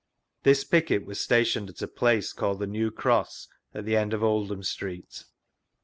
This picket was stationed at a j^ace called the New Cross, at the end of Oldham Street.